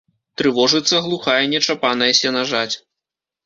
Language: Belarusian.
Трывожыцца глухая нечапаная сенажаць.